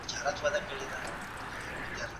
تیاره پوستکی طبیعي ساتنه لري.